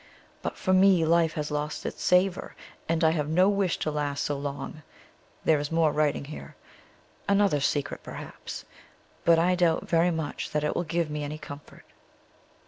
But for me life has lost its savor, and I have no wish to last so long. There is more writing here another secret perhaps, but I doubt very much that it will give me any comfort."